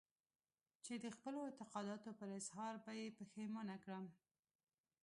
چې د خپلو اعتقاداتو پر اظهار به يې پښېمانه کړم.